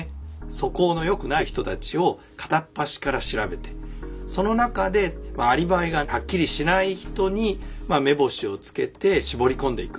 素行のよくない人たちを片っ端から調べてその中でアリバイがはっきりしない人に目星をつけて絞り込んでいく。